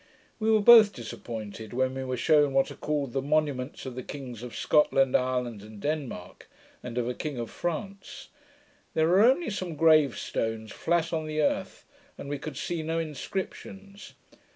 We were both disappointed, when we were shewn what are called the monuments of the kings of Scotland, Ireland, and Denmark, and of a king of France. There are only some grave stones flat on the earth, and we could see no inscriptions.